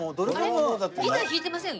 ギター弾いてません？